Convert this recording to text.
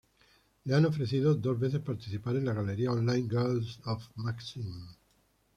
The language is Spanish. Le han ofrecido dos veces participar en la galería online Girls of Maxim.